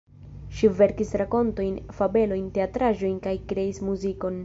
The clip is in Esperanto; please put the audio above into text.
Ŝi verkis rakontojn, fabelojn, teatraĵojn kaj kreis muzikon.